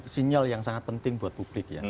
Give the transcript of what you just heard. sinyal yang sangat penting buat publik ya